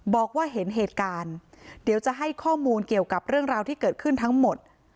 บอกว่าเห็นเหตุการณ์เดี๋ยวจะให้ข้อมูลเกี่ยวกับเรื่องราวที่เกิดขึ้นทั้งหมด